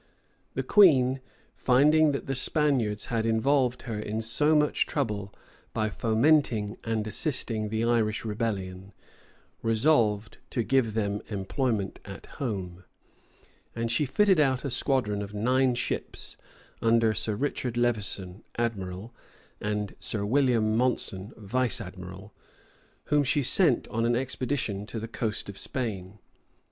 The queen, finding that the Spaniards had involved her in so much trouble, by fomenting and assisting the Irish rebellion, resolved to give them employment at home; and she fitted out a squadron of nine ships, under Sir Richard Levison, admiral, and Sir William Monson, vice admiral, whom she sent on an expedition to the coast of Spain.